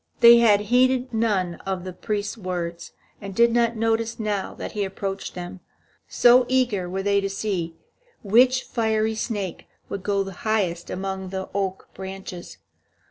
They had heeded none of the priest's words, and did not notice now that he approached them, so eager were they to see which fiery snake would go highest among the oak branches.